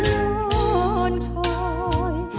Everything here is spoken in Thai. ฉันน้อนคอย